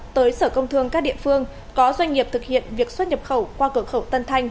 tới sở công thương các địa phương có doanh nghiệp thực hiện việc xuất nhập khẩu qua cửa khẩu tân thanh